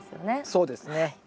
そうですね。